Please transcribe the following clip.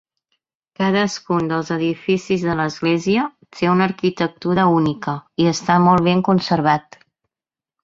Cadascun dels edificis de l'església té una arquitectura única i està molt ben conservat.